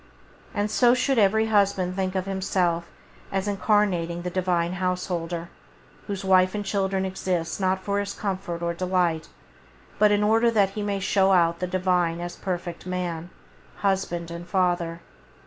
And so should every husband think of himself as incarnating the Divine Householder, whose wife and children exist not for his comfort or delight, but in order that he may show out the Divine as perfect man, as husband and father.